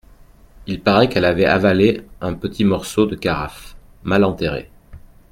Il paraît qu’elle avait avalé un petit morceau de carafe… mal enterré.